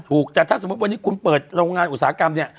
ถูกแต่ถ้าสมมุติวันนี้คุณเปิดโรงงานอุตสาหกรรมเนี่ย